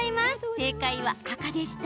正解は赤でした。